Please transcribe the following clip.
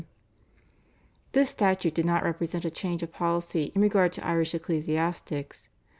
This statute did not represent a change of policy in regard to Irish ecclesiastics.